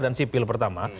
dan sipil pertama